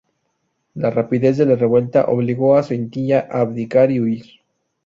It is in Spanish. La rapidez de la revuelta obligó a Suintila a abdicar y huir.